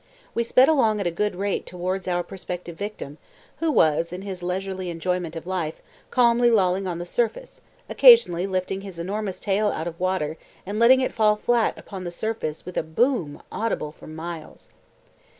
We sped along at a good rate towards our prospective victim, who was, in his leisurely enjoyment of life, calmly lolling on the surface, occasionally lifting his enormous tail out of water and letting it fall flat upon the surface with a boom audible for miles.